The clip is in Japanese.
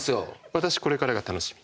私これからが楽しみ。